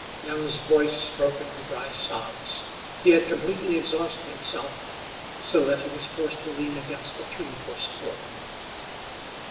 Young's voice broke into dry sobs. He had completely exhausted himself, so that he was forced to lean against the tree for support.